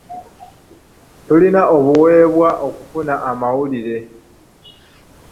Tulina obuweebwa okufuna amawulire.